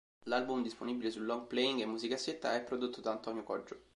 L'album, disponibile su long playing e musicassetta, è prodotto da Antonio Coggio.